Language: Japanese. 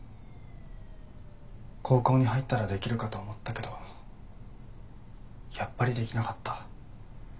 「高校に入ったらできるかと思ったけどやっぱりできなかった」